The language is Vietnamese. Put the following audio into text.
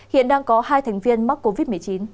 hiện đang có hai thành viên mắc covid một mươi chín